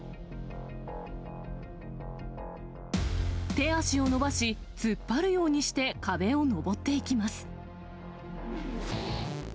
手足を伸ばし、突っ張るようにして壁を登っていきます。